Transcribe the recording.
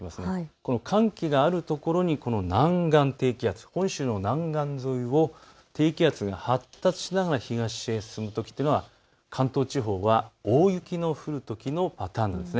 この寒気がある所に南岸低気圧、本州の南岸沿いを低気圧が発達しながら東へ進むときというのは関東地方は大雪の降るときのパターンです。